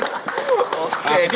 oke ini pak adi